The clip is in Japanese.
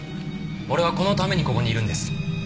俺はこのためにここにいるんです。